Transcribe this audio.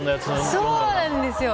そうなんですよ。